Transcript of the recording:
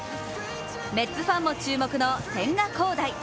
メッツファンも注目の千賀滉大。